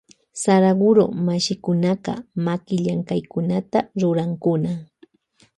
Saraguro mashikunaka makillamkaykunata rurankuna.